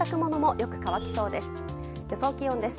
予想気温です。